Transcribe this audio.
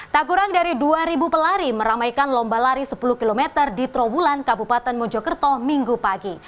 tak kurang dari dua pelari meramaikan lomba lari sepuluh km di trawulan kabupaten mojokerto minggu pagi